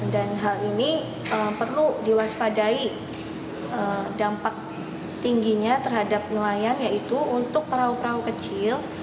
dan hal ini perlu diwaspadai dampak tingginya terhadap nelayan yaitu untuk perahu perahu kecil